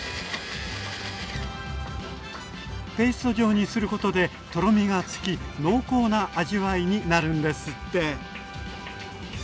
ペースト状にすることでとろみがつき濃厚な味わいになるんですって。